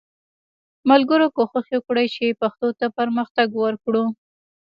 ملګرو کوښښ وکړئ چې پښتو ته پرمختګ ورکړو